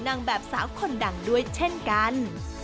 นางแบบสาวคนดังด้วยเช่นกัน